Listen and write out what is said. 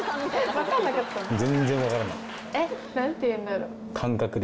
えっ何て言うんだろう？